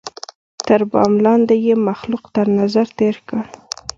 تر بام لاندي یې مخلوق تر نظر تېر کړ